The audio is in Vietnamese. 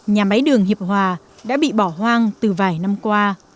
nhà máy đường hiệp hòa đã bị bỏ hoang từ vài năm qua